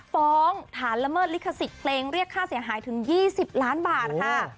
ฟ้องฐานละเมิดลิขสิทธิ์เพลงเรียกค่าเสียหายถึง๒๐ล้านบาทค่ะ